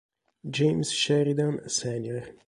James Sheridan, Sr.